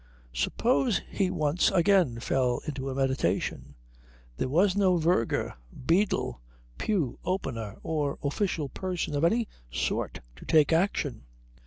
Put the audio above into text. Suppose he once again fell into a meditation? There was no verger, beadle, pew opener, or official person of any sort to take action.